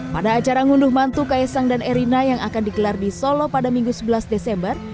pada acara ngunduh mantu kaisang dan erina yang akan digelar di solo pada minggu sebelas desember